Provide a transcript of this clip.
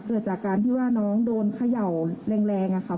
เกิดจากการที่ว่าน้องโดนเขย่าแรงอะค่ะ